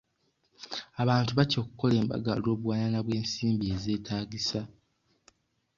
Abantu batya okukola embaga olw'obuwanana bw'ensimbi ezeetaagisa.